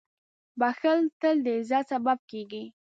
• بښل تل د عزت سبب کېږي.